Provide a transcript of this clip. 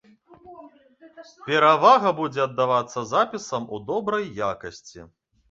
Перавага будзе аддавацца запісам у добрай якасці.